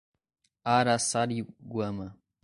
Araçariguama